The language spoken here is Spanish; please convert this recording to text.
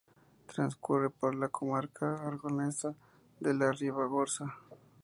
Transcurre por la comarca aragonesa de la Ribagorza.